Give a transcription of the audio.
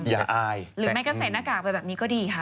อายหรือไม่ก็ใส่หน้ากากไปแบบนี้ก็ดีค่ะ